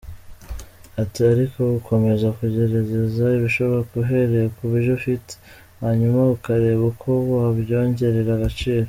Ati “Ariko ukomeza kugerageza ibishoboka uhereye ku byo ufite, hanyuma ukareba uko wabyongerera agaciro.